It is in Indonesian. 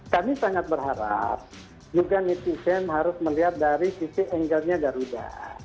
kami sangat berharap juga netizen harus melihat dari sisi angle nya garuda